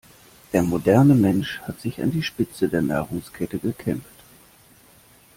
Der moderne Mensch hat sich an die Spitze der Nahrungskette gekämpft.